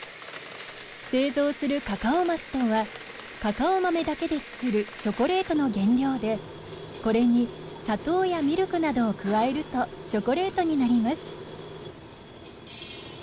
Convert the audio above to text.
製造するカカオマスとはカカオ豆だけで作るチョコレートの原料でこれに砂糖やミルクなどを加えるとチョコレートになります。